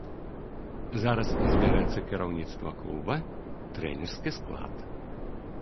Зараз збярэцца кіраўніцтва клуба, трэнерскі склад.